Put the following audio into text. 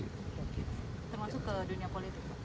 termasuk ke dunia politik pak